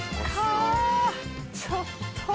ちょっと！